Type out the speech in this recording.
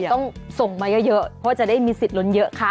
ต้องส่งมาเยอะเพราะจะได้มีสิทธิล้นเยอะค่ะ